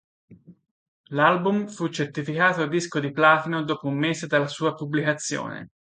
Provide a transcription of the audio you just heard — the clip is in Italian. L'album fu certificato disco di platino dopo un mese dalla sua pubblicazione.